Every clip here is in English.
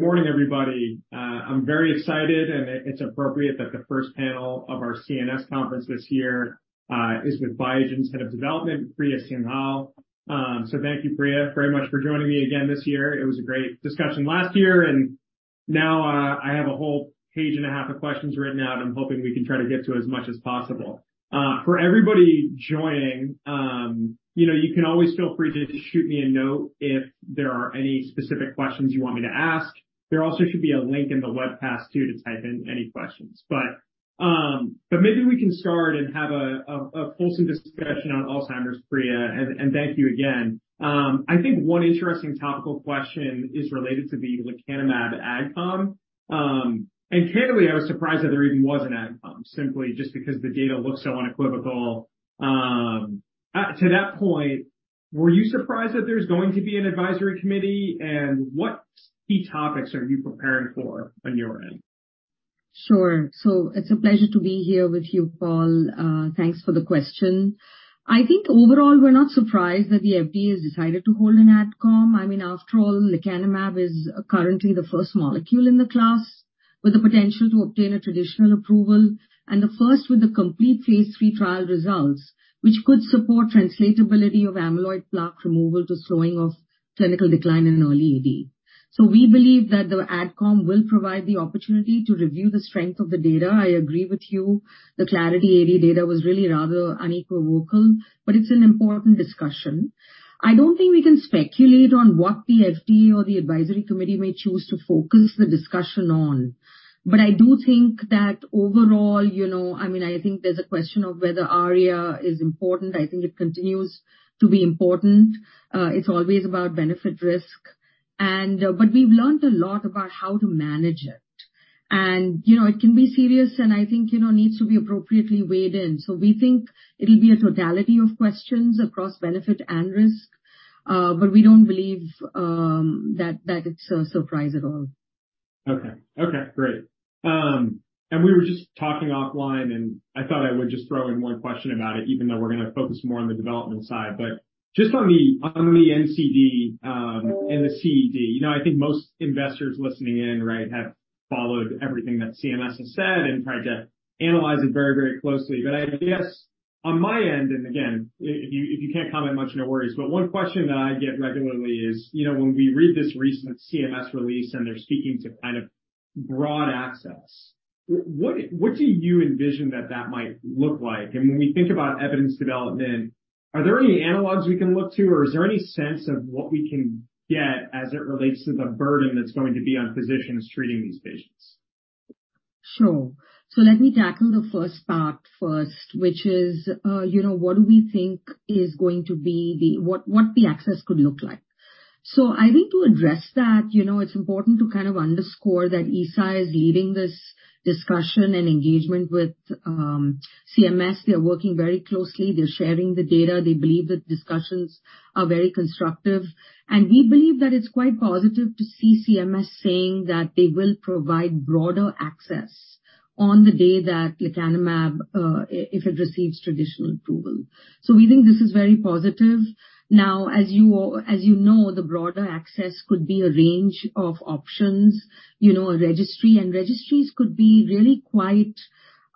Morning, everybody. I'm very excited and it's appropriate that the first panel of our CNS conference this year is with Biogen's Head of Development, Priya Singhal. Thank you Priya, very much for joining me again this year. It was a great discussion last year and now, I have a whole page and a half of questions written out. I'm hoping we can try to get to as much as possible. For everybody joining, you know, you can always feel free to shoot me a note if there are any specific questions you want me to ask. There also should be a link in the webcast too to type in any questions. Maybe we can start and have a full discussion on Alzheimer's, Priya, and thank you again. I think one interesting topical question is related to the lecanemab AdCom. Candidly, I was surprised that there even was an AdCom, simply just because the data looks so unequivocal. To that point, were you surprised that there's going to be an advisory committee and what key topics are you preparing for on your end? Sure. It's a pleasure to be here with you, Paul. Thanks for the question. I think overall we're not surprised that the FDA has decided to hold an AdCom. I mean, after all, lecanemab is currently the first molecule in the class with the potential to obtain a traditional approval and the first with the complete phase III trial results, which could support translatability of amyloid plaque removal to slowing of clinical decline in early AD. We believe that the AdCom will provide the opportunity to review the strength of the data. I agree with you. The Clarity AD data was really rather unequivocal, but it's an important discussion. I don't think we can speculate on what the FDA or the advisory committee may choose to focus the discussion on. I do think that overall, you know, I mean, I think there's a question of whether ARIA is important. I think it continues to be important. It's always about benefit risk, but we've learned a lot about how to manage it. You know, it can be serious and I think, you know, needs to be appropriately weighed in. We think it'll be a totality of questions across benefit and risk, but we don't believe that it's a surprise at all. Okay. Okay, great. We were just talking offline, and I thought I would just throw in one question about it, even though we're gonna focus more on the development side. Just on the, on the NCD, and the CED, you know, I think most investors listening in, right, have followed everything that CMS has said and tried to analyze it very, very closely. I guess on my end, and again if you, if you can't comment much, no worries, but one question that I get regularly is, you know, when we read this recent CMS release and they're speaking to kind of broad access, what do you envision that that might look like? When we think about evidence development, are there any analogs we can look to, or is there any sense of what we can get as it relates to the burden that's going to be on physicians treating these patients? Sure. Let me tackle the first part first, which is, you know, what the access could look like. I think to address that, you know, it's important to kind of underscore that Eisai is leading this discussion and engagement with CMS. They're working very closely. They're sharing the data. They believe the discussions are very constructive. We believe that it's quite positive to see CMS saying that they will provide broader access on the day that lecanemab, if it receives traditional approval. We think this is very positive. Now, as you know, the broader access could be a range of options. You know, a registry, and registries could be really quite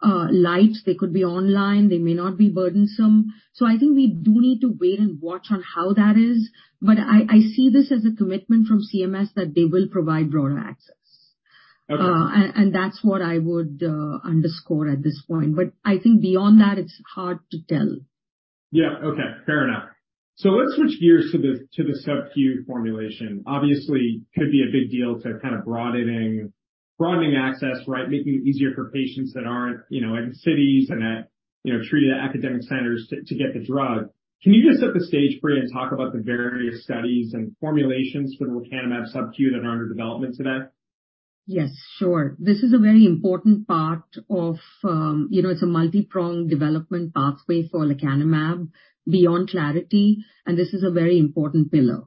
light. They could be online. They may not be burdensome. I think we do need to wait and watch on how that is. I see this as a commitment from CMS that they will provide broader access. Okay. And that's what I would underscore at this point. I think beyond that it's hard to tell. Yeah. Okay. Fair enough. Let's switch gears to the subQ formulation. Obviously could be a big deal to kind of broadening access, right? Making it easier for patients that aren't, you know, in cities and at, you know, treated at academic centers to get the drug. Can you just set the stage, Priya, and talk about the various studies and formulations for lecanemab subQ that are under development today? Yes, sure. This is a very important part of, you know, it's a multi-pronged development pathway for lecanemab beyond Clarity, and this is a very important pillar.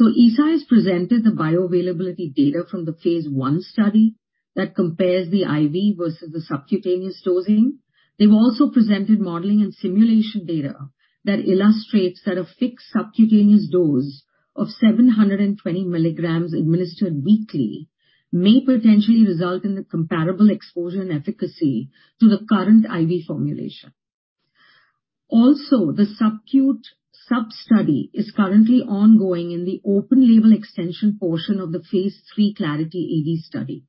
Eisai has presented the bioavailability data from the phase 1 study that compares the IV versus the subcutaneous dosing. They've also presented modeling and simulation data that illustrates that a fixed subcutaneous dose of 720 milligrams administered weekly may potentially result in a comparable exposure and efficacy to the current IV formulation. The subQ sub-study is currently ongoing in the open label extension portion of the phase III Clarity AD study.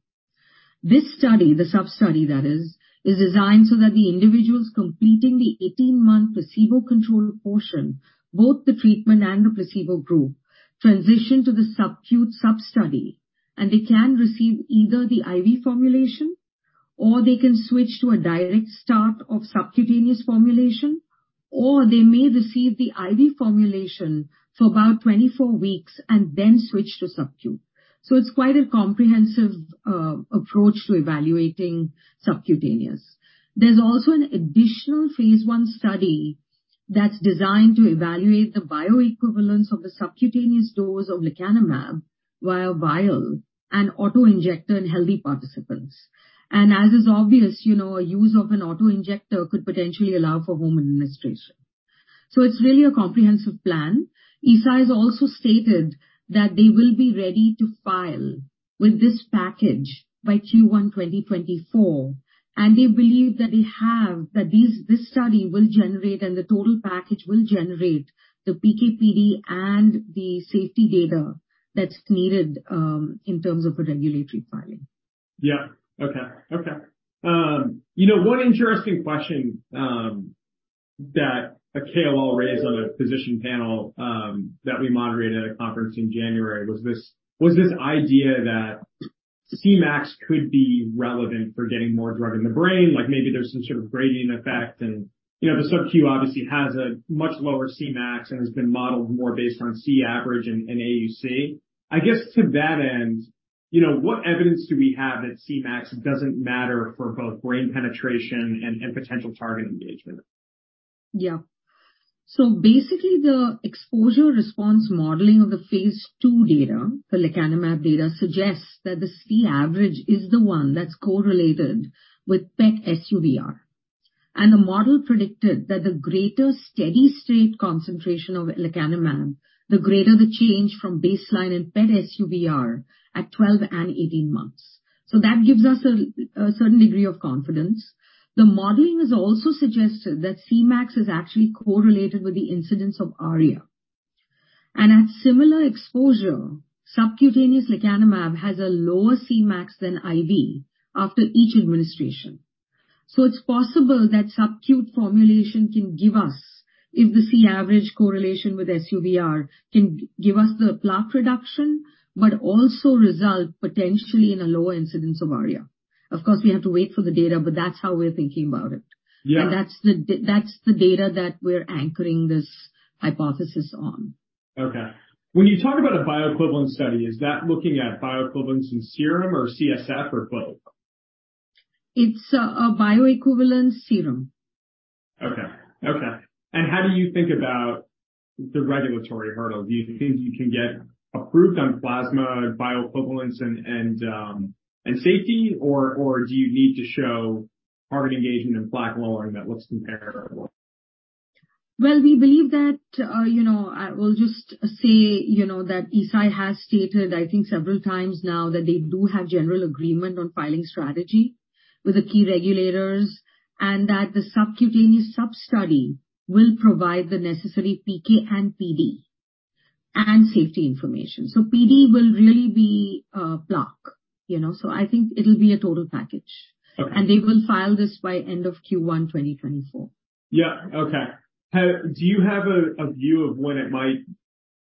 This study, the sub-study that is designed so that the individuals completing the 18-month placebo control portion, both the treatment and the placebo group, transition to the subQ sub-study, and they can receive either the IV formulation or they can switch to a direct start of subcutaneous formulation, or they may receive the IV formulation for about 24 weeks and then switch to subQ. It's quite a comprehensive approach to evaluating subcutaneous. There's also an additional phase I study that's designed to evaluate the bioequivalence of the subcutaneous dose of lecanemab via vial and auto-injector in healthy participants. As is obvious, you know, a use of an auto-injector could potentially allow for home administration. It's really a comprehensive plan. Eisai has also stated that they will be ready to file with this package by Q1 2024. They believe that this study will generate and the total package will generate the PK/PD and the safety data that's needed in terms of a regulatory filing. Yeah. Okay. Okay. You know, one interesting question that a KOL raised on a physician panel that we moderated at a conference in January was this idea that Cmax could be relevant for getting more drug in the brain. Like maybe there's some sort of gradient effect and, you know, the subQ obviously has a much lower Cmax and has been modeled more based on C-average and AUC. I guess to that end, you know, what evidence do we have that Cmax doesn't matter for both brain penetration and potential target engagement? Yeah. Basically the exposure response modeling of the phase II data, the lecanemab data, suggests that the C-average is the one that's correlated with PET SUVr. The model predicted that the greater steady-state concentration of lecanemab, the greater the change from baseline in PET SUVr at 12 and 18 months. That gives us a certain degree of confidence. The modeling has also suggested that Cmax is actually correlated with the incidence of ARIA. At similar exposure, subcutaneous lecanemab has a lower Cmax than IV after each administration. It's possible that subQ formulation can give us, if the C-average correlation with SUVr, can give us the plaque reduction, but also result potentially in a lower incidence of ARIA. Of course, we have to wait for the data, that's how we're thinking about it. Yeah. That's the data that we're anchoring this hypothesis on. Okay. When you talk about a bioequivalent study, is that looking at bioequivalence in serum or CSF or both? It's a bioequivalent serum. Okay. Okay. How do you think about the regulatory hurdle? Do you think you can get approved on plasma bioequivalence and safety or do you need to show target engagement and plaque lowering that looks comparable? Well, we believe that, you know, I will just say, you know, that Eisai has stated, I think several times now that they do have general agreement on filing strategy with the key regulators. That the subcutaneous substudy will provide the necessary PK and PD and safety information. PD will really be plaque, you know. I think it'll be a total package. Okay. They will file this by end of Q1 2024. Yeah. Okay. Do you have a view of when it might,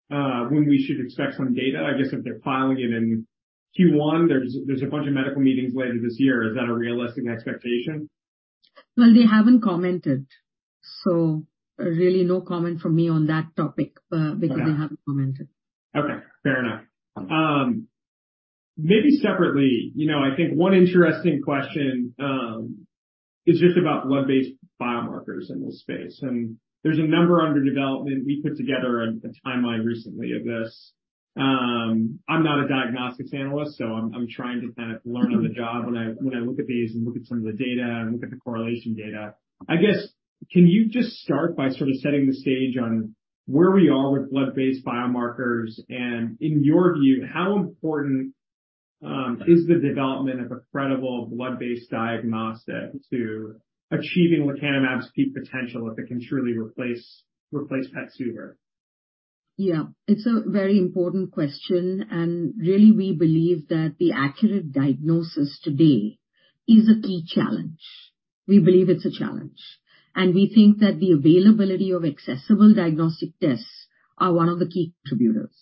when we should expect some data? I guess if they're filing it in Q1, there's a bunch of medical meetings later this year. Is that a realistic expectation? Well, they haven't commented, so really no comment from me on that topic, because they haven't commented. Okay. Fair enough. Maybe separately, you know, I think one interesting question is just about blood-based biomarkers in this space. There's a number under development. We put together a timeline recently of this. I'm not a diagnostics analyst, I'm trying to kind of learn on the job when I look at these and look at some of the data and look at the correlation data. I guess, can you just start by sort of setting the stage on where we are with blood-based biomarkers? In your view, how important is the development of a credible blood-based diagnostic to achieving lecanemab's peak potential if it can truly replace PET SUVr? Yeah. It's a very important question, and really we believe that the accurate diagnosis today is a key challenge. We believe it's a challenge. We think that the availability of accessible diagnostic tests are one of the key contributors.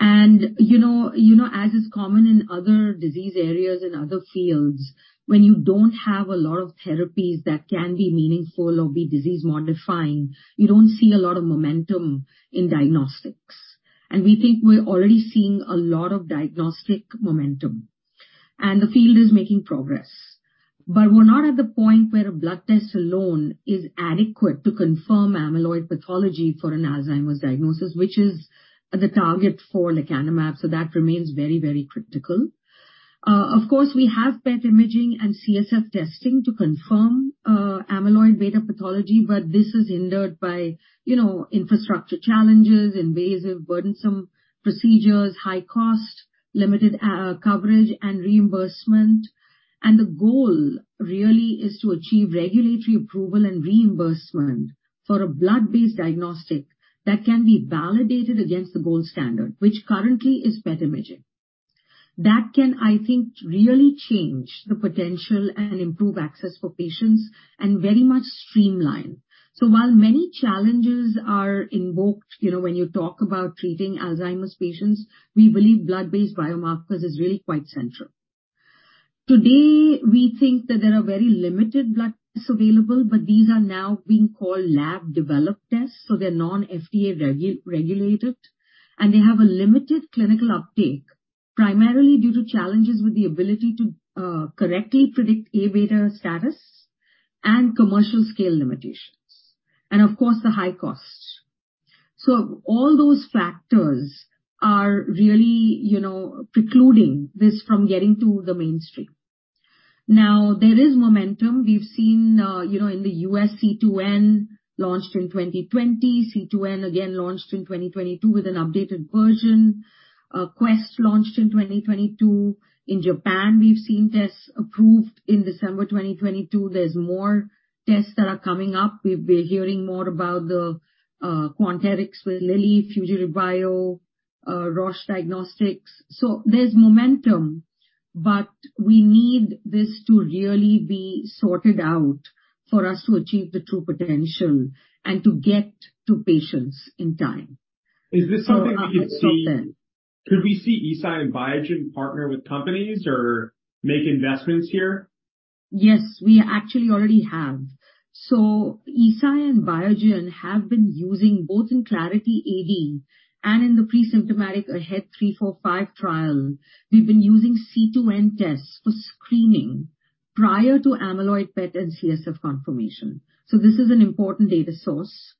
You know, as is common in other disease areas in other fields, when you don't have a lot of therapies that can be meaningful or be disease modifying, you don't see a lot of momentum in diagnostics. We think we're already seeing a lot of diagnostic momentum, and the field is making progress. We're not at the point where a blood test alone is adequate to confirm amyloid pathology for an Alzheimer's diagnosis, which is the target for lecanemab, so that remains very critical. Of course, we have PET imaging and CSF testing to confirm, amyloid beta pathology, but this is hindered by, you know, infrastructure challenges, invasive, burdensome procedures, high cost, limited coverage and reimbursement. The goal really is to achieve regulatory approval and reimbursement for a blood-based diagnostic that can be validated against the gold standard, which currently is PET imaging. That can, I think, really change the potential and improve access for patients and very much streamline. While many challenges are invoked, you know, when you talk about treating Alzheimer's patients, we believe blood-based biomarkers is really quite central. Today, we think that there are very limited blood tests available. These are now being called lab-developed tests, they're non-FDA regulated, and they have a limited clinical uptake, primarily due to challenges with the ability to correctly predict A-beta status and commercial scale limitations and of course the high cost. All those factors are really, you know, precluding this from getting to the mainstream. There is momentum. We've seen, you know, in the U.S., C2N launched in 2020. C2N again launched in 2022 with an updated version. Quest launched in 2022. In Japan, we've seen tests approved in December 2022. There's more tests that are coming up. We've been hearing more about the Quanterix with Lilly, Fujirebio, Roche Diagnostics. There's momentum, but we need this to really be sorted out for us to achieve the true potential and to get to patients in time. Is this something we could see Eisai and Biogen partner with companies or make investments here? Yes. We actually already have. Eisai and Biogen have been using both in Clarity AD and in the pre-symptomatic AHEAD 3-45 trial. We've been using C2N tests for screening prior to amyloid PET and CSF confirmation. This is an important data source.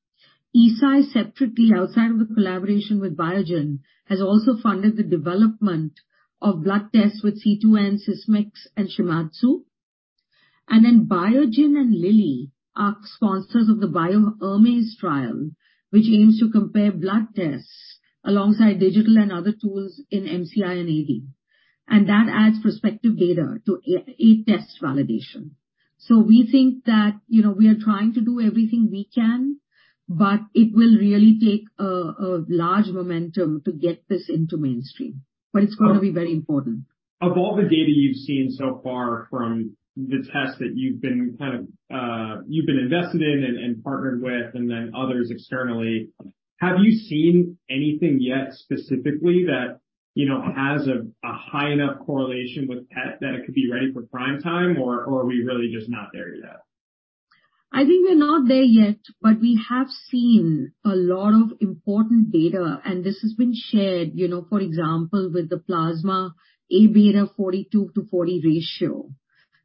Eisai, separately, outside of the collaboration with Biogen, has also funded the development of blood tests with C2N, Sysmex, and Shimadzu. Biogen and Lilly are sponsors of the Bio-Hermes trial, which aims to compare blood tests alongside digital and other tools in MCI and AD. That adds prospective data to a test validation. We think that, you know, we are trying to do everything we can, but it will really take a large momentum to get this into mainstream. It's gonna be very important. Of all the data you've seen so far from the tests that you've been kind of, you've been invested in and partnered with and then others externally, have you seen anything yet specifically that, you know, has a high enough correlation with PET that it could be ready for prime time, or are we really just not there yet? I think we're not there yet, but we have seen a lot of important data, and this has been shared, you know, for example, with the plasma Aβ42/40 ratio.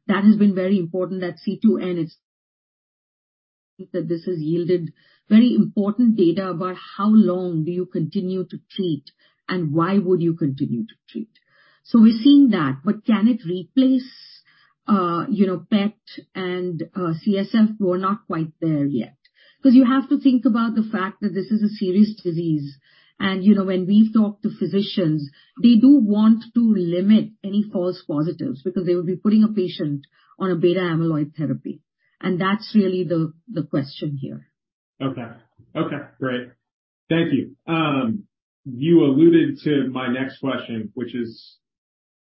That has been very important at C2N. That this has yielded very important data about how long do you continue to treat and why would you continue to treat. We're seeing that. Can it replace, you know, PET and CSF? We're not quite there yet. 'Cause you have to think about the fact that this is a serious disease. You know, when we talk to physicians, they do want to limit any false positives because they will be putting a patient on a beta amyloid therapy. That's really the question here. Okay. Okay, great. Thank you. You alluded to my next question, which is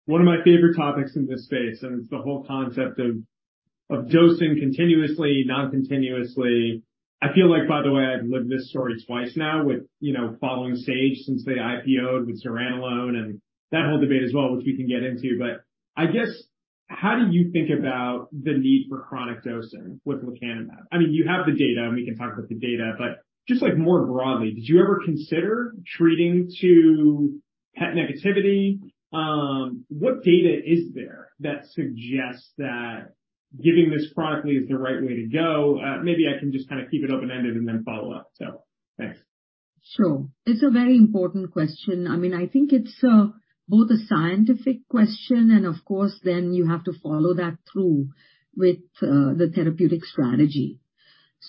one of my favorite topics in this space, and it's the whole concept of dosing continuously, non-continuously. I feel like, by the way, I've lived this story twice now with, you know, following Sage since they IPO'd with zuranolone and that whole debate as well, which we can get into. I guess, how do you think about the need for chronic dosing with lecanemab? I mean, you have the data, and we can talk about the data, but just, like, more broadly, did you ever consider treating to PET negativity? What data is there that suggests that giving this chronically is the right way to go? maybe I can just kinda keep it open-ended and then follow up. Thanks. Sure. It's a very important question. I mean, I think it's both a scientific question and of course then you have to follow that through with the therapeutic strategy.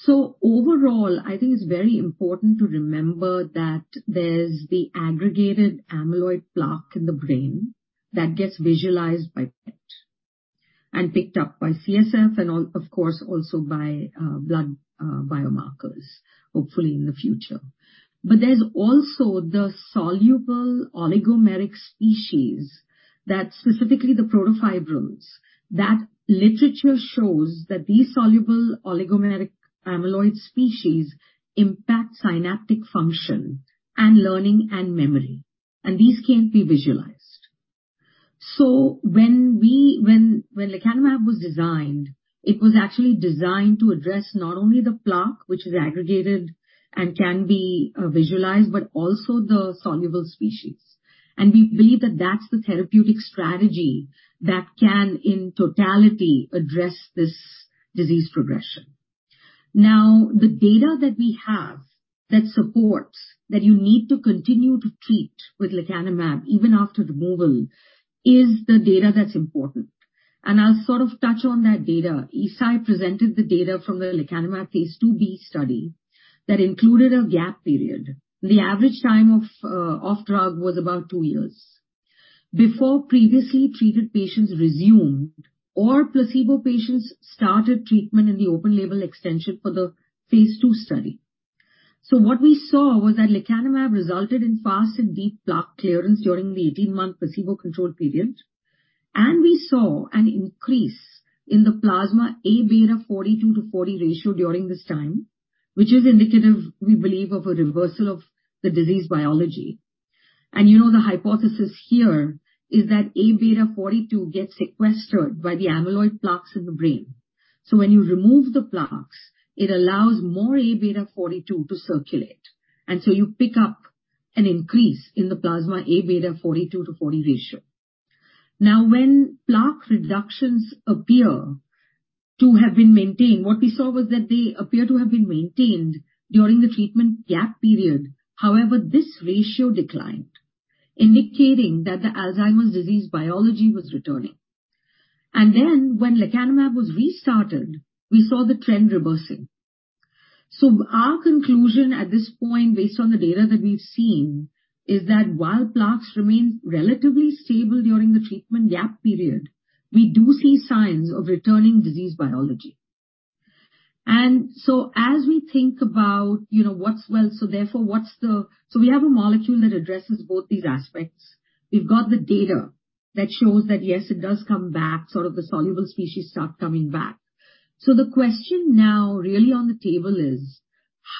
Overall, I think it's very important to remember that there's the aggregated amyloid plaque in the brain that gets visualized by PET and picked up by CSF and of course, also by blood biomarkers, hopefully in the future. There's also the soluble oligomeric species that's specifically the protofibrils, that literature shows that these soluble oligomeric amyloid species impact synaptic function and learning and memory, and these can't be visualized. When lecanemab was designed, it was actually designed to address not only the plaque, which is aggregated and can be visualized, but also the soluble species. We believe that that's the therapeutic strategy that can, in totality, address this disease progression. The data that we have that supports that you need to continue to treat with lecanemab even after removal is the data that's important. I'll sort of touch on that data. Eisai presented the data from the lecanemab phase IIb study that included a gap period. The average time off drug was about two years. Before previously treated patients resumed or placebo patients started treatment in the open label extension for the phase II study. What we saw was that lecanemab resulted in fast and deep plaque clearance during the 18-month placebo control period. We saw an increase in the plasma A beta 42/40 ratio during this time, which is indicative, we believe, of a reversal of the disease biology. You know, the hypothesis here is that Aβ42 gets sequestered by the amyloid plaques in the brain. When you remove the plaques, it allows more Aβ42 to circulate. You pick up an increase in the plasma Aβ42/40 ratio. When plaque reductions appear to have been maintained, what we saw was that they appear to have been maintained during the treatment gap period. This ratio declined, indicating that the Alzheimer's disease biology was returning. When lecanemab was restarted, we saw the trend reversing. Our conclusion at this point, based on the data that we've seen, is that while plaques remain relatively stable during the treatment gap period, we do see signs of returning disease biology. As we think about, you know, what's the... We have a molecule that addresses both these aspects. We've got the data that shows that, yes, it does come back, sort of the soluble species start coming back. The question now really on the table is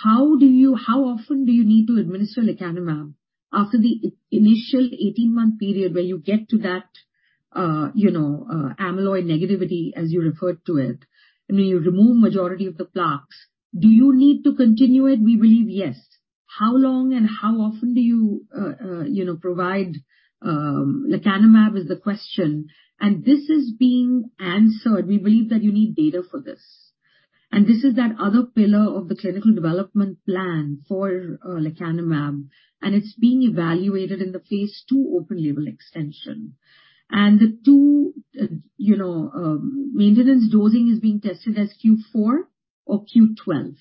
how often do you need to administer lecanemab after the initial 18-month period where you get to that, you know, amyloid negativity, as you referred to it, and you remove majority of the plaques. Do you need to continue it? We believe, yes. How long and how often do you know, provide lecanemab is the question. This is being answered. We believe that you need data for this. This is that other pillar of the clinical development plan for lecanemab, and it's being evaluated in the phase II open label extension. The two, you know, maintenance dosing is being tested as Q4 or Q12.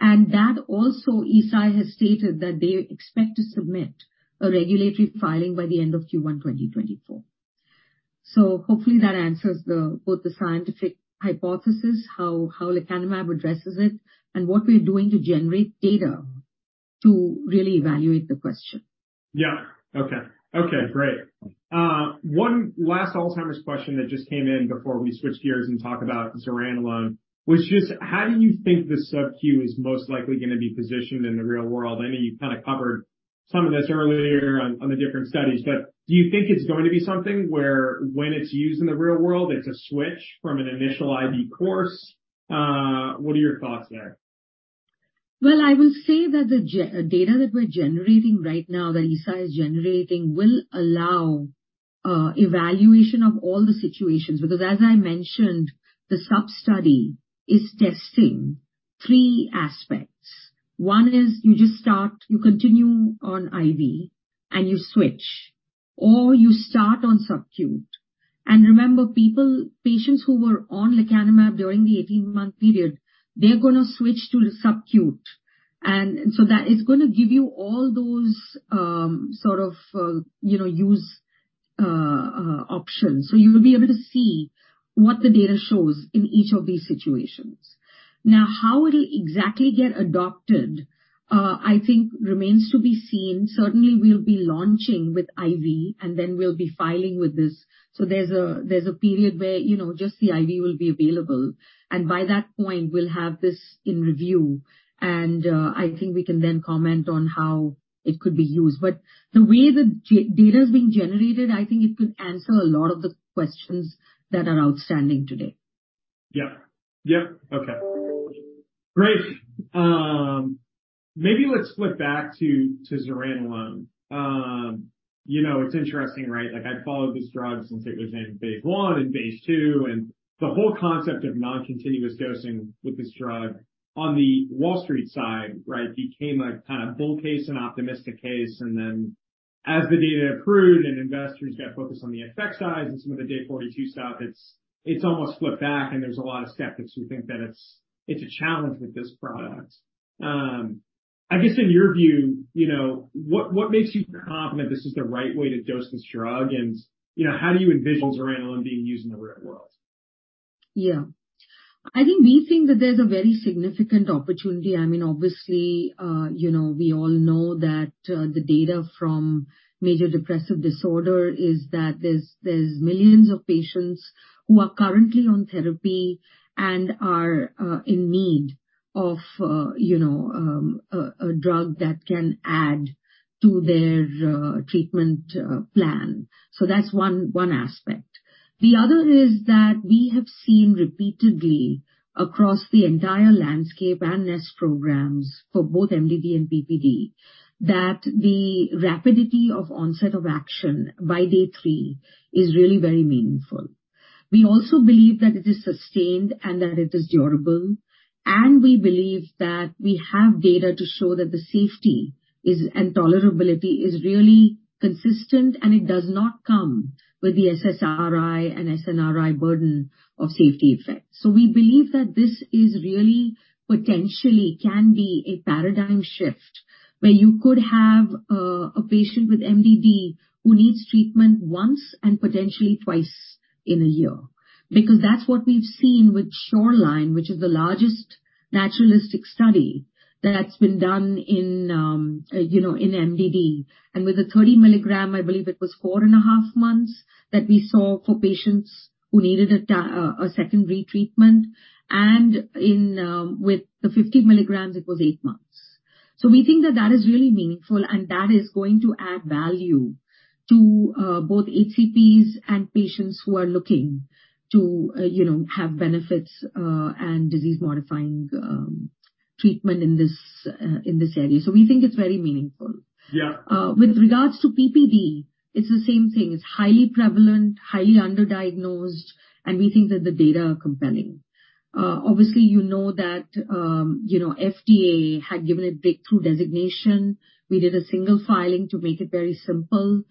That also, Eisai has stated that they expect to submit a regulatory filing by the end of Q1 2024. Hopefully that answers the, both the scientific hypothesis, how lecanemab addresses it and what we're doing to generate data to really evaluate the question. Okay. Okay, great. One last Alzheimer's question that just came in before we switch gears and talk about zuranolone was just how do you think the sub-Q is most likely gonna be positioned in the real world? I know you kinda covered some of this earlier on the different studies, but do you think it's going to be something where when it's used in the real world, it's a switch from an initial IV course? What are your thoughts there? Well, I will say that the data that we're generating right now, that Eisai is generating, will allow evaluation of all the situations, because as I mentioned, the sub-study is testing three aspects. One is you just start, you continue on IV and you switch, or you start on sub-cute. Remember, people, patients who were on lecanemab during the 18-month period, they're gonna switch to sub-cute. That is gonna give you all those, sort of, you know, use options. You will be able to see what the data shows in each of these situations. Now, how it'll exactly get adopted, I think remains to be seen. Certainly we'll be launching with IV and then we'll be filing with this. There's a period where, you know, just the IV will be available, and by that point we'll have this in review and, I think we can then comment on how it could be used. The way the data is being generated, I think it could answer a lot of the questions that are outstanding today. Yeah. Yeah. Okay. Great. Maybe let's flip back to zuranolone. You know, it's interesting, right? Like I followed this drug since it was in phase I and phase II, and the whole concept of non-continuous dosing with this drug on the Wall Street side, right, became a kind of bull case, an optimistic case. As the data accrued and investors got focused on the effect size and some of the day 42 stuff, it's almost flipped back and there's a lot of skeptics who think that it's a challenge with this product. I guess in your view, you know, what makes you confident this is the right way to dose this drug? You know, how do you envision zuranolone being used in the real world? I think we think that there's a very significant opportunity. I mean, obviously, you know, we all know that the data from major depressive disorder is that there's millions of patients who are currently on therapy and are in need of, you know, a drug that can add to their treatment plan. That's one aspect. The other is that we have seen repeatedly across the entire LANDSCAPE and Nest programs for both MDD and BPD that the rapidity of onset of action by day three is really very meaningful. We also believe that it is sustained and that it is durable, and we believe that we have data to show that the safety and tolerability is really consistent and it does not come with the SSRI and SNRI burden of safety effects. We believe that this is really potentially can be a paradigm shift where you could have a patient with MDD who needs treatment once and potentially twice in a year. Because that's what we've seen with SHORELINE, which is the largest naturalistic study that's been done in, you know, in MDD. With the 30 milligram, I believe it was 4.5 months that we saw for patients who needed a secondary treatment. In with the 50 milligrams it was eight months. We think that that is really meaningful and that is going to add value to both HCPs and patients who are looking to, you know, have benefits and disease modifying treatment in this area. We think it's very meaningful. Yeah. With regards to PPD, it's the same thing. It's highly prevalent, highly underdiagnosed, and we think that the data are compelling. Obviously you know that, you know, FDA had given a Breakthrough designation. We did a single filing to make it very simple,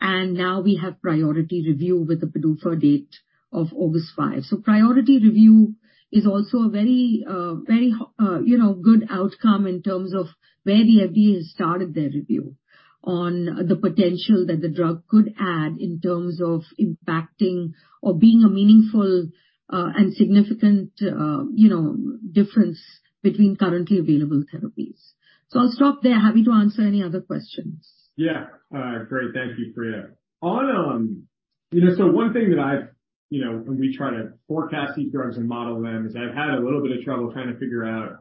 and now we have Priority Review with the PDUFA date of August 5. Priority Review is also a very, you know, good outcome in terms of where the FDA has started their review on the potential that the drug could add in terms of impacting or being a meaningful, and significant, you know, difference between currently available therapies. I'll stop there. Happy to answer any other questions. Yeah. Great. Thank you, Priya. On, you know, one thing that, you know, when we try to forecast these drugs and model them, is I've had a little bit of trouble trying to figure out.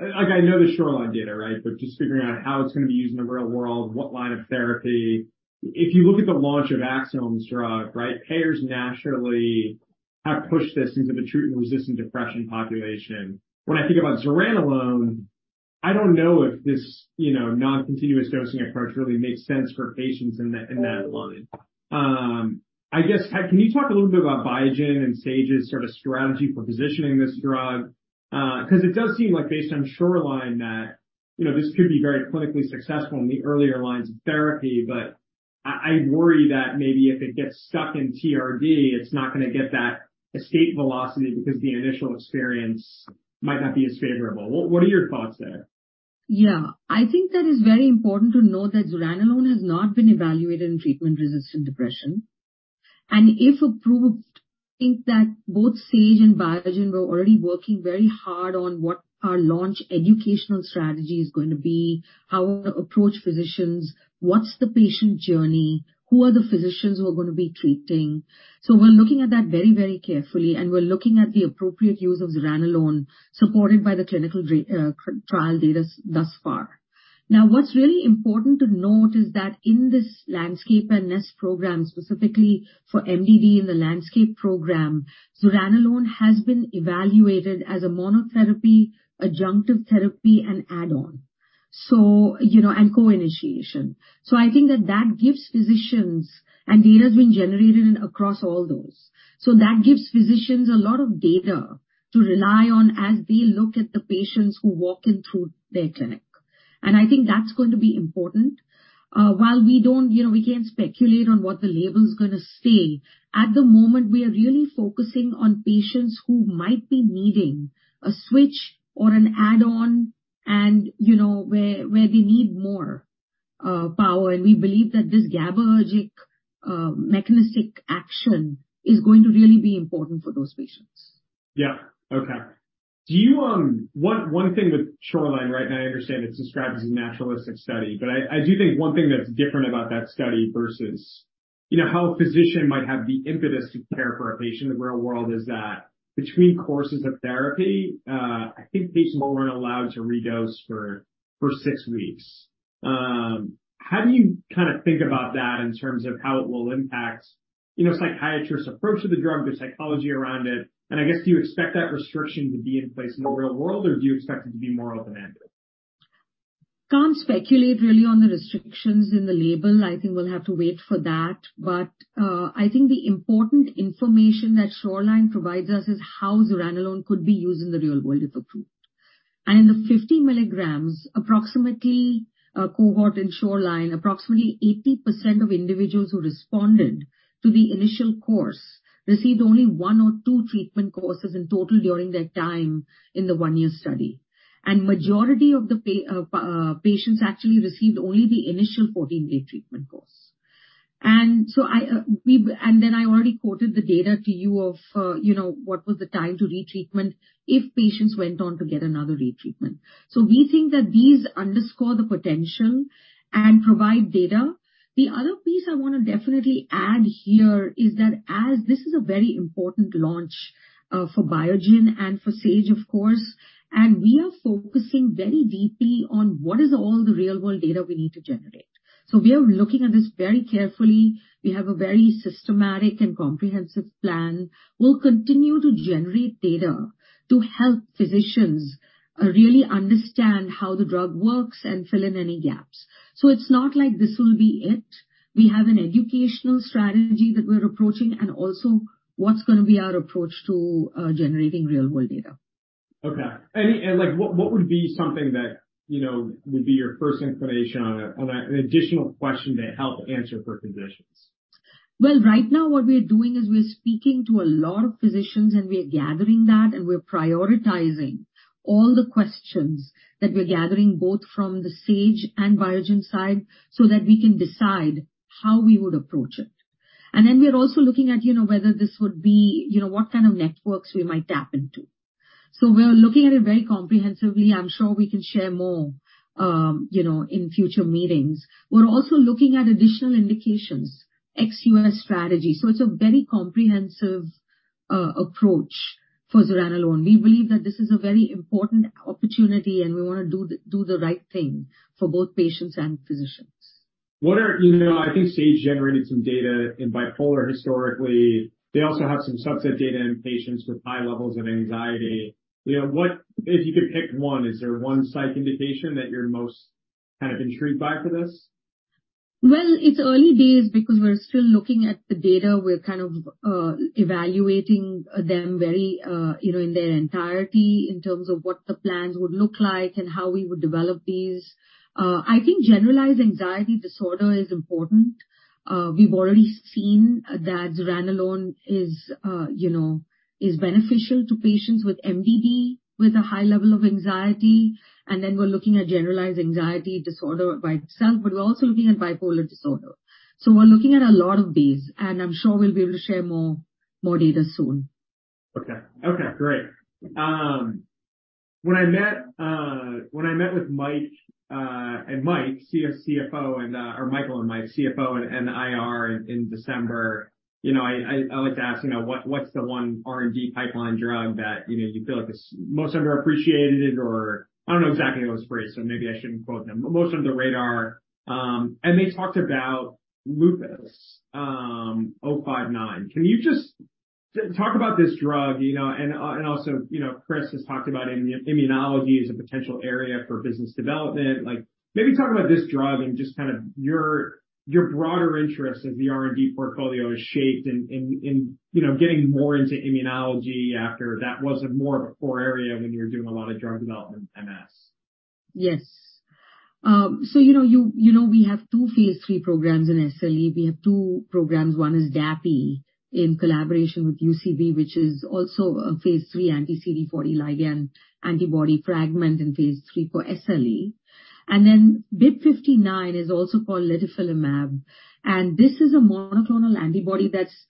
Like, I know the SHORELINE data, right? Just figuring out how it's gonna be used in the real world, what line of therapy. If you look at the launch of Axsome's drug, right? Payers naturally have pushed this into the treatment-resistant depression population. When I think about zuranolone, I don't know if this, you know, non-continuous dosing approach really makes sense for patients in that line. I guess can you talk a little bit about Biogen and Sage's sort of strategy for positioning this drug? Cause it does seem like based on SHORELINE that, you know, this could be very clinically successful in the earlier lines of therapy. I worry that maybe if it gets stuck in TRD, it's not gonna get that escape velocity because the initial experience might not be as favorable. What are your thoughts there? Yeah. I think that is very important to note that zuranolone has not been evaluated in treatment-resistant depression. If approved, I think that both Sage and Biogen were already working very hard on what our launch educational strategy is going to be, how we're gonna approach physicians, what's the patient journey, who are the physicians who are gonna be treating. We're looking at that very, very carefully, and we're looking at the appropriate use of zuranolone supported by the clinical trial data thus far. What's really important to note is that in this LANDSCAPE and Nest program, specifically for MDD in the LANDSCAPE program, zuranolone has been evaluated as a monotherapy, adjunctive therapy and add-on. You know, and co-initiation. I think that gives physicians and data has been generated across all those. That gives physicians a lot of data to rely on as they look at the patients who walk in through their clinic. I think that's going to be important. While we don't, you know, we can't speculate on what the label is gonna say. At the moment we are really focusing on patients who might be needing a switch or an add-on and, you know, where they need more power. We believe that this GABAergic mechanistic action is going to really be important for those patients. Yeah. Okay. Do you, One thing with SHORELINE, right, and I understand it's described as a naturalistic study, but I do think one thing that's different about that study versus, you know, how a physician might have the impetus to care for a patient in the real world is that between courses of therapy, I think patients weren't allowed to redose for six weeks. How do you kinda think about that in terms of how it will impact, you know, psychiatrists' approach to the drug, the psychology around it? I guess, do you expect that restriction to be in place in the real world, or do you expect it to be more open-ended? Can't speculate really on the restrictions in the label. I think we'll have to wait for that. I think the important information that SHORELINE provides us is how zuranolone could be used in the real world if approved. The 50 milligrams approximately cohort in SHORELINE, approximately 80% of individuals who responded to the initial course received only one or two treatment courses in total during their time in the one year study. Majority of the patients actually received only the initial 14-day treatment course. Then I already quoted the data to you of, you know, what was the time to retreatment if patients went on to get another retreatment. We think that these underscore the potential and provide data. The other piece I wanna definitely add here is that as this is a very important launch for Biogen and for Sage, of course, and we are focusing very deeply on what is all the real world data we need to generate. We are looking at this very carefully. We have a very systematic and comprehensive plan. We'll continue to generate data to help physicians really understand how the drug works and fill in any gaps. It's not like this will be it. We have an educational strategy that we're approaching and also what's gonna be our approach to generating real world data. Okay. Like what would be something that, you know, would be your first inclination on an additional question to help answer for physicians? Well, right now what we're doing is we're speaking to a lot of physicians and we're gathering that, and we're prioritizing all the questions that we're gathering both from the Sage and Biogen side so that we can decide how we would approach it. We're also looking at, you know, whether this would be, you know, what kind of networks we might tap into. We're looking at it very comprehensively. I'm sure we can share more, you know, in future meetings. We're also looking at additional indications, ex U.S. strategy, so it's a very comprehensive approach. For zuranolone, we believe that this is a very important opportunity and we wanna do the right thing for both patients and physicians. You know, I think Sage generated some data in bipolar historically. They also have some subset data in patients with high levels of anxiety. You know, if you could pick one, is there one psych indication that you're most kind of intrigued by for this? Well, it's early days because we're still looking at the data. We're kind of evaluating them very, you know, in their entirety in terms of what the plans would look like and how we would develop these. I think generalized anxiety disorder is important. We've already seen that zuranolone is, you know, is beneficial to patients with MDD with a high level of anxiety. We're looking at generalized anxiety disorder by itself, but we're also looking at bipolar disorder. We're looking at a lot of these, and I'm sure we'll be able to share more data soon. Okay. Okay, great. When I met, when I met with Mike, and Mike, CSCFO and, or Michael and Mike, CFO and IR in December, you know, I like to ask, you know, what's the one R&D pipeline drug that, you know, you feel like it's most underappreciated or I don't know exactly it was phrased, so maybe I shouldn't quote them, but most under the radar. They talked about lupus, oh, five nine. Can you just talk about this drug, you know, and also, you know, Chris has talked about immunology as a potential area for business development. Like, maybe talk about this drug and just kind of your broader interest as the R&D portfolio is shaped in, you know, getting more into immunology after that wasn't more of a core area when you were doing a lot of drug development in MS. Yes. You know, we have two phase III programs in SLE. We have two programs. One is DAPI in collaboration with UCB, which is also a phase III anti-CD40 ligand antibody fragment in phase III for SLE. BIIB059 is also called litifilimab, and this is a monoclonal antibody that's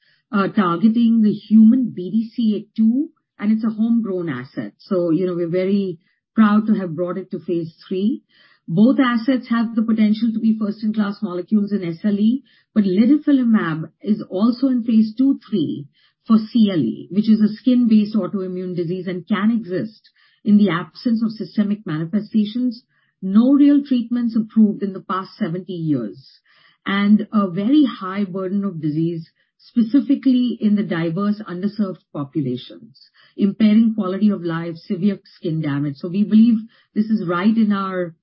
targeting the human BDCA-2, and it's a homegrown asset. You know, we're very proud to have brought it to phase III. Both assets have the potential to be first in class molecules in SLE, but litifilimab is also in phase II/III for CLE, which is a skin-based autoimmune disease and can exist in the absence of systemic manifestations. No real treatments approved in the past 70 years. A very high burden of disease, specifically in the diverse underserved populations, impairing quality of life, severe skin damage. We believe this is right in our,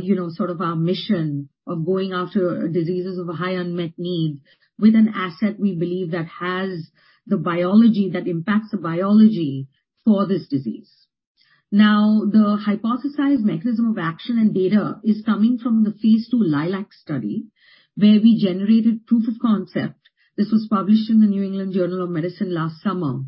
you know, sort of our mission of going after diseases of a high unmet need with an asset we believe that has the biology that impacts the biology for this disease. Now, the hypothesized mechanism of action and data is coming from the phase II LILAC study where we generated proof of concept. This was published in The New England Journal of Medicine last summer.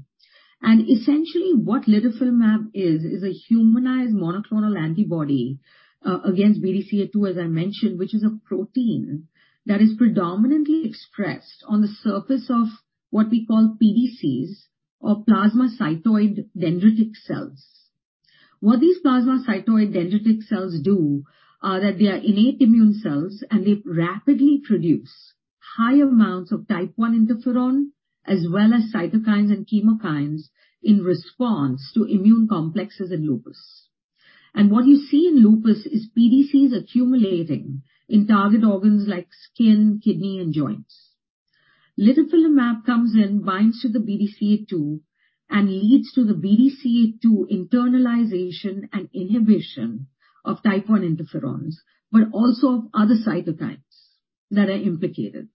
Essentially what litifilimab is a humanized monoclonal antibody against BDCA2, as I mentioned, which is a protein that is predominantly expressed on the surface of what we call pDCs or plasmacytoid dendritic cells. What these plasmacytoid dendritic cells do, that they are innate immune cells and they rapidly produce high amounts of type I interferon as well as cytokines and chemokines in response to immune complexes in lupus. What you see in lupus is pDCs accumulating in target organs like skin, kidney, and joints. Litifilimab comes in, binds to the BDCA2, and leads to the BDCA2 internalization and inhibition of type I interferons, but also of other cytokines that are implicated.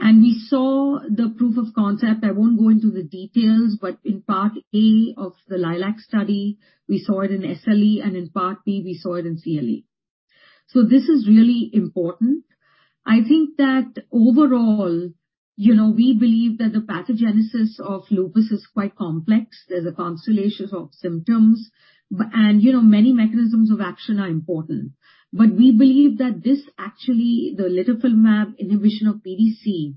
We saw the proof of concept. I won't go into the details, but in part A of the LILAC study, we saw it in SLE, and in part B, we saw it in CLE. This is really important. I think that overall, you know, we believe that the pathogenesis of lupus is quite complex. There's a constellation of symptoms, and, you know, many mechanisms of action are important. We believe that this actually, the litifilimab inhibition of pDC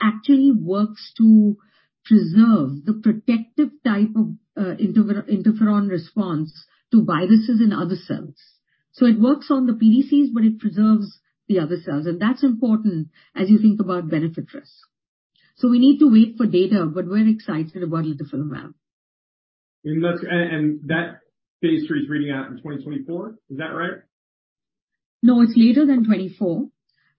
actually works to preserve the protective type of interferon response to viruses in other cells. It works on the pDCs, but it preserves the other cells, and that's important as you think about benefit risk. We need to wait for data, but we're excited about litifilimab. That phase III is reading out in 2024. Is that right? No, it's later than 2024.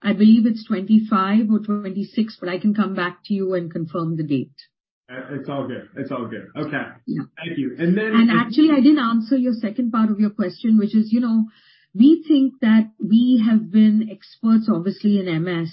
I believe it's 2025 or 2026, but I can come back to you and confirm the date. It's all good. It's all good. Okay. Yeah. Thank you. And then. Actually, I didn't answer your second part of your question, which is, you know, we think that we have been experts, obviously, in MS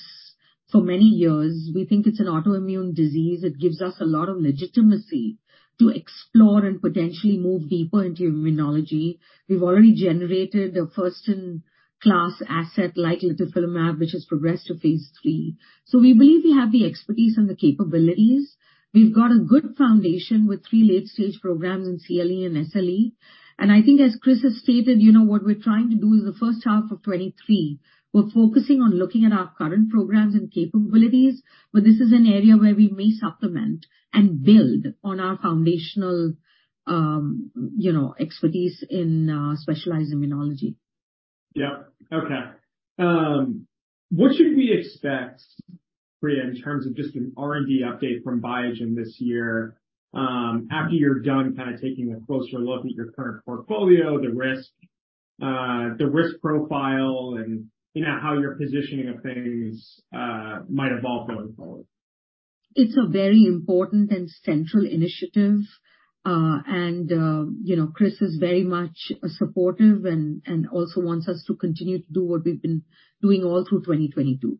for many years. We think it's an autoimmune disease. It gives us a lot of legitimacy to explore and potentially move deeper into immunology. We've already generated a first in class asset like litifilimab, which has progressed to phase III. We believe we have the expertise and the capabilities. We've got a good foundation with three late-stage programs in CLE and SLE. I think as Chris has stated, you know, what we're trying to do is the first half of 2023, we're focusing on looking at our current programs and capabilities, but this is an area where we may supplement and build on our foundational, you know, expertise in specialized immunology. Yep. Okay. What should we expect, Priya, in terms of just an R&D update from Biogen this year, after you're done kinda taking a closer look at your current portfolio, the risk, the risk profile, and, you know, how your positioning of things might evolve going forward? It's a very important and central initiative. You know, Chris is very much supportive and also wants us to continue to do what we've been doing all through 2022.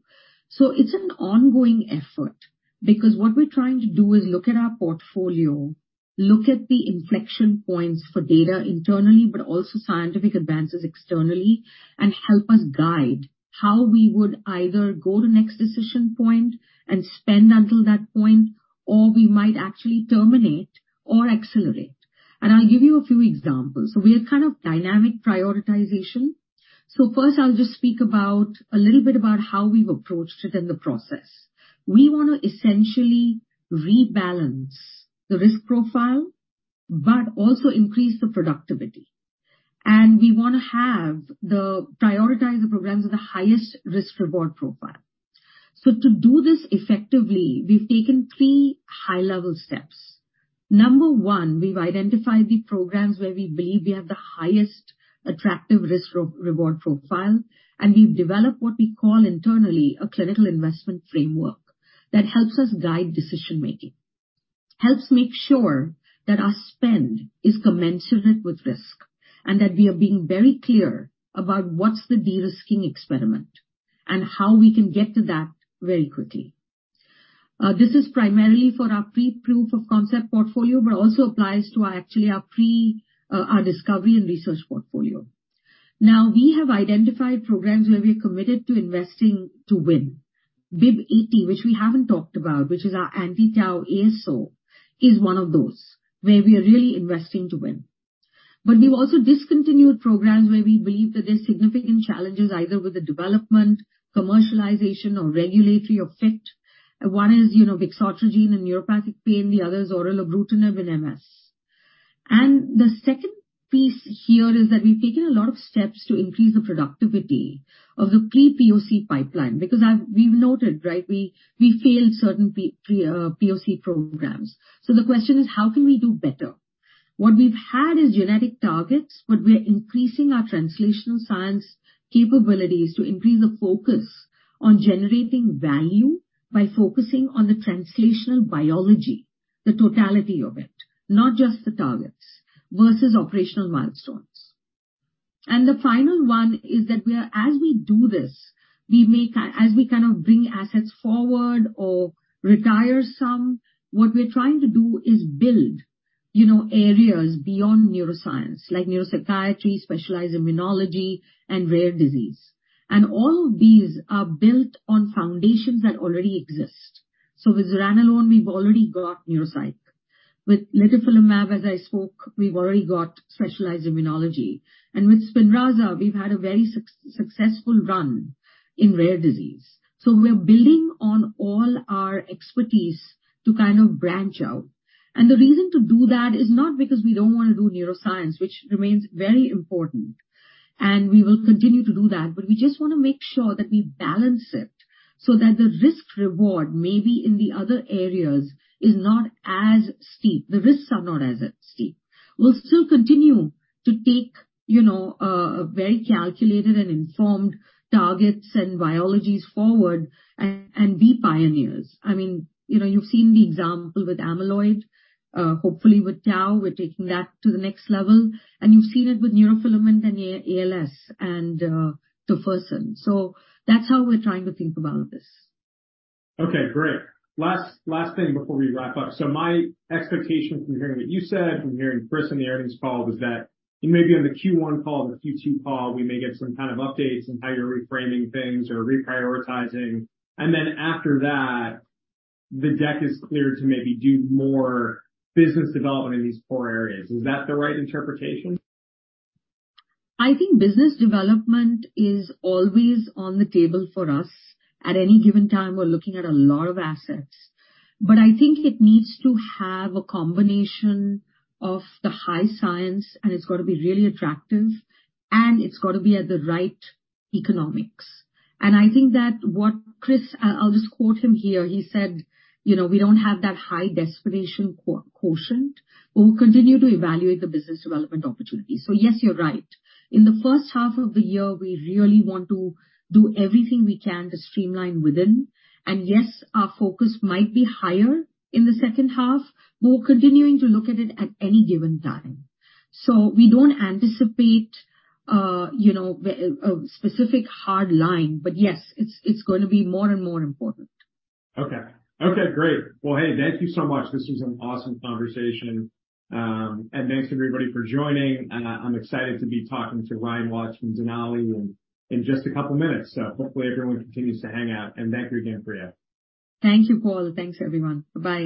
It's an ongoing effort, because what we're trying to do is look at our portfolio, look at the inflection points for data internally, but also scientific advances externally, and help us guide how we would either go to next decision point and spend until that point, or we might actually terminate or accelerate. I'll give you a few examples. We are kind of dynamic prioritization. First, I'll just speak a little bit about how we've approached it in the process. We wanna essentially rebalance the risk profile, but also increase the productivity. We wanna prioritize the programs with the highest risk/reward profile. To do this effectively, we've taken three high-level steps. Number one, we've identified the programs where we believe we have the highest attractive risk-reward profile, and we've developed what we call internally a clinical investment framework that helps us guide decision-making. Helps make sure that our spend is commensurate with risk and that we are being very clear about what's the de-risking experiment and how we can get to that very quickly. This is primarily for our pre-proof of concept portfolio but also applies to our, actually our pre, our discovery and research portfolio. We have identified programs where we are committed to investing to win. BIIB080, which we haven't talked about, which is our anti-tau ASO, is one of those where we are really investing to win. We've also discontinued programs where we believe that there's significant challenges either with the development, commercialization or regulatory or fit. One is, you know, vixotrigine in neuropathic pain, the other is oral tolebrutinib in MS. The second piece here is that we've taken a lot of steps to increase the productivity of the pre-POC pipeline because we've noted, right, we failed certain pre-POC programs. The question is: How can we do better? What we've had is genetic targets. We are increasing our translational science capabilities to increase the focus on generating value by focusing on the translational biology, the totality of it, not just the targets, versus operational milestones. The final one is that as we do this, as we kind of bring assets forward or retire some, what we're trying to do is build, you know, areas beyond neuroscience, like neuropsychiatry, specialized immunology and rare disease. All of these are built on foundations that already exist. So with zuranolone, we've already got neuropsych. With litifilimab, as I spoke, we've already got specialized immunology. With SPINRAZA, we've had a very successful run in rare disease. We're building on all our expertise to kind of branch out. The reason to do that is not because we don't wanna do neuroscience, which remains very important, and we will continue to do that, but we just wanna make sure that we balance it so that the risk/reward, maybe in the other areas, is not as steep. The risks are not as steep. We'll still continue to take, you know, very calculated and informed targets and biologies forward and be pioneers. I mean, you know, you've seen the example with amyloid. Hopefully with tau, we're taking that to the next level. You've seen it with neurofilament and ALS and tofersen. That's how we're trying to think about this. Okay, great. Last thing before we wrap up. My expectation from hearing what you said, from hearing Chris on the earnings call, was that maybe on the Q1 call or the Q2 call, we may get some kind of updates on how you're reframing things or reprioritizing. After that, the deck is clear to maybe do more business development in these core areas. Is that the right interpretation? I think business development is always on the table for us. At any given time, we're looking at a lot of assets. I think it needs to have a combination of the high science, and it's gotta be really attractive, and it's gotta be at the right economics. I think that what Chris. I'll just quote him here. He said, you know, "We don't have that high desperation quotient. We'll continue to evaluate the business development opportunities. Yes, you're right. In the first half of the year, we really want to do everything we can to streamline within. Yes, our focus might be higher in the second half. We're continuing to look at it at any given time. We don't anticipate, you know, a specific hard line, but yes, it's gonna be more and more important. Okay. Okay, great. Well, hey, thank you so much. This was an awesome conversation. Thanks to everybody for joining. I'm excited to be talking to Ryan Watts from Denali in just a couple minutes. Hopefully everyone continues to hang out. Thank you again, Priya. Thank you, Paul. Thanks, everyone. Bye-bye.